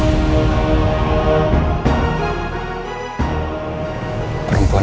kau yang memimpin